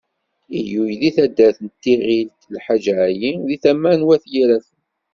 Ilul deg taddart Tiɣilt Lḥaǧ Ali, deg tama n Wat Yiraten.